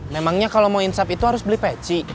memangnya kalau mau insap itu harus beli peci